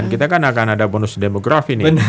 kita kan akan ada bonus demografi nih